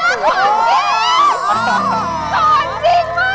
หอมจริงอะหอมจริง